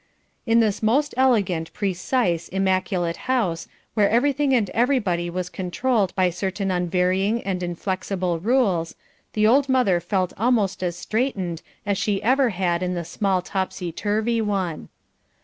In this most elegant, precise, immaculate house, where everything and everybody was controlled by certain unvarying and inflexible rules, the old mother felt almost as straitened as she ever had in the small topsy turvy one.